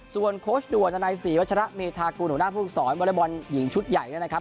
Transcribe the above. ส่วนโคชด่วนในศรีวัชระเมธากุหนุนาภูมิสอนวรบรหญิงชุดใหญ่นะครับ